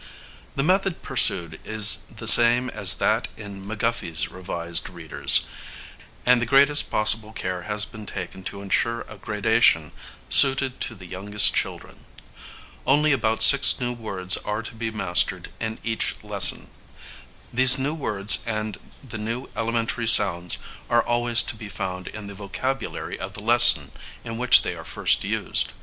The method pursued is the same as that in McGuffey's Revised Readers, and the greatest possible care has been taken to insure a gradation suited to the youngest children. Only about six new words are to be mastered in each lesson. These new words and the new elementary sounds are always to be found in the vocabulary of the lesson in which they are first used.